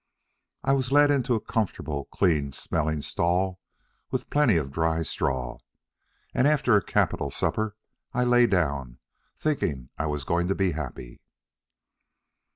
I was led into a comfortable, clean smelling stall with plenty of dry straw, and after a capital supper, I lay down, thinking I was going to be happy.